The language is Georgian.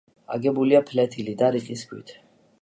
აგებულია ფლეთილი და რიყის ქვით.